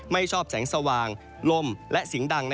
ไม่ชอบแสงสว่างลมและเสียงดัง